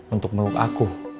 untuk membuka aku